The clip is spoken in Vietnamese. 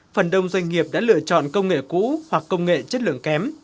phần đông doanh nghiệp đã lựa chọn công nghệ cũ hoặc công nghệ chất lượng kém